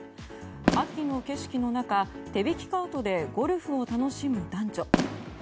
秋の景色の中、手引きカートでゴルフを楽しむ男女。